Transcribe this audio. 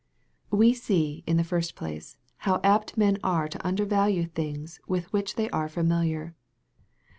We see, in the first place, how apt men are to undervalue things with which they are familiar.